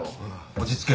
落ち着け。